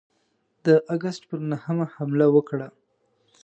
د آګسټ پر نهمه حمله وکړه.